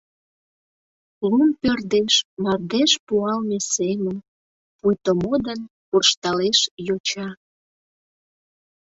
Лум пӧрдеш мардеж пуалме семын, пуйто модын куржталеш йоча.